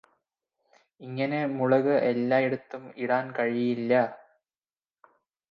ഇങ്ങനെ മുളക് എല്ലായിടത്തും ഇടാൻ കഴിയില്ലാ